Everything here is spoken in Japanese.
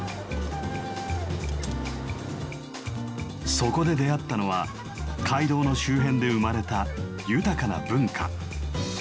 そこで出会ったのは街道の周辺で生まれた豊かな文化。